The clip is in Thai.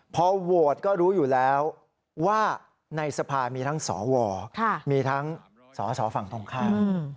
พอโหวตก็รู้อยู่แล้วว่าในสภามีทั้งสวมีทั้งสอสอฝั่งตรงข้าม